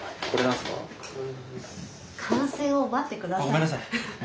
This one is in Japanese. ごめんなさい。